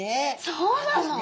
そうなの？